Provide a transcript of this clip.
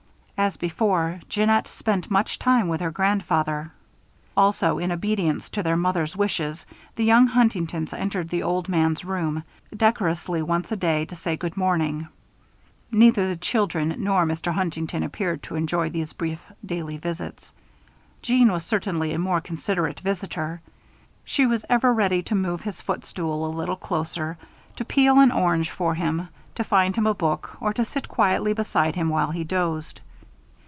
As before, Jeannette spent much time with her grandfather. Also, in obedience to their mother's wishes, the young Huntingtons entered the old man's room, decorously, once a day to say good morning. Neither the children nor Mr. Huntington appeared to enjoy these brief, daily visits. Jeanne was certainly a more considerate visitor. She was ever ready to move his foot stool a little closer, to peel an orange for him, to find him a book, or to sit quietly beside him while he dozed.